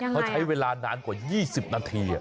เขาใช้เวลานานกว่า๒๐นาที